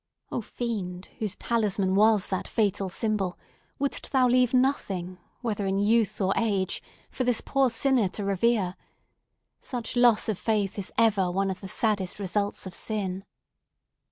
O Fiend, whose talisman was that fatal symbol, wouldst thou leave nothing, whether in youth or age, for this poor sinner to revere?—such loss of faith is ever one of the saddest results of sin.